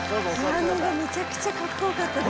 ピアノがめちゃくちゃかっこよかったです。